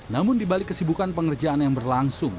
namun dibalik kesibukan pengerjaan yang berlangsung